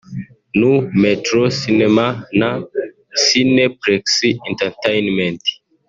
Nu Metro Cinemas na Cineplex Entertainment